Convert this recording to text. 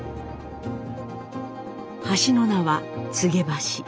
橋の名は黄柳橋。